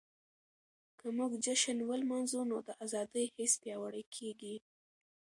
که موږ جشن ولمانځو نو د ازادۍ حس پياوړی کيږي.